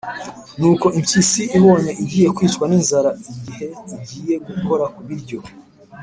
nuko impyisi ibonye igiye kwicwa n’inzara, igihe igiye gukora ku biryo,